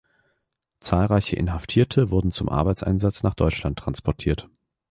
Zahlreiche Inhaftierte wurden zum Arbeitseinsatz nach Deutschland transportiert.